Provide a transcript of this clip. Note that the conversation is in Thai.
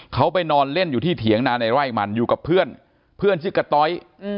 เขาไปนอนเล่นอยู่ที่เถียงนาในไร่มันอยู่กับเพื่อนเพื่อนชื่อกะต้อย